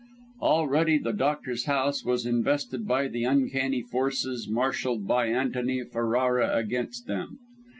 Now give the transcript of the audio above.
Already the doctor's house was invested by the uncanny forces marshalled by Antony Ferrara against them.